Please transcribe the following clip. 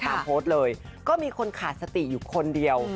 โพสต์เลยก็มีคนขาดสติอยู่คนเดียว